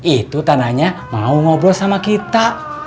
itu tanahnya mau ngobrol sama kita